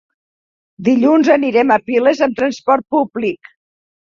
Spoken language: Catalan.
Dilluns anirem a Piles amb transport públic.